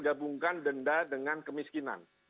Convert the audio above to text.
gabungkan denda dengan kemiskinan